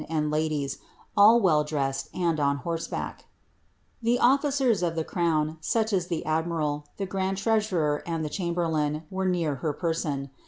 and ladies, all well dressed, aad on horseback. The officen << the crown, such as the admlrs], the grand Ireaaurtf, and ihc ch«Bb<i h'm, were nea her person.